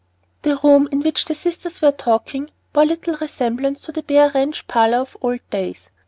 The room in which the sisters were talking bore little resemblance to the bare ranch parlor of old days.